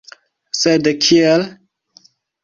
Sed kiel?